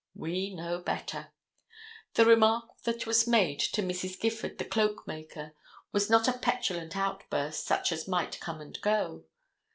We know better. The remark that was made to Mrs. Gifford, the cloakmaker, was not a petulant outburst, such as might come and go.